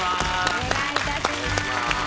お願いいたします。